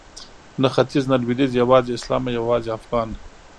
نه ختیځ نه لویدیځ یوازې اسلام او یوازې افغان